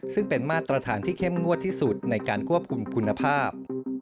ซึ่งเป็นมาตรฐานที่เข้มงวดที่สุดในการควบคุมคุณภาพ